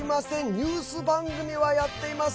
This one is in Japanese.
ニュース番組は、やっています。